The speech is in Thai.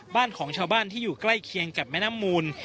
บ้านของชาวบ้านที่อยู่ใกล้เคียงกับแม่น้ำมูล